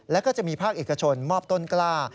แล้วก็จะมีภาคเอกชนมอบต้นกล้า